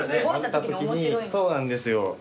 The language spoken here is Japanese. そうなんですよ。